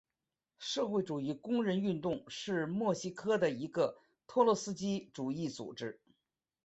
社会主义工人运动是墨西哥的一个托洛茨基主义组织。